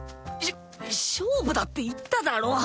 しょ勝負だって言っただろ。